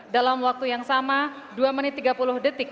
dalam waktu yang sama dua menit tiga puluh detik